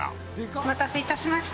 お待たせいたしました。